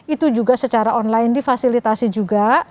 itu juga secara online difasilitasi juga